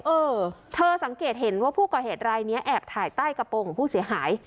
เออเธอสังเกตเห็นว่าผู้ก่อเหตุรายนี้แอบถ่ายใต้กระโปรงของผู้เสียหาย